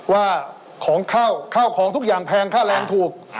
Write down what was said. ว่าของเข้าข้าวของทุกอย่างแพงค่าแรงถูก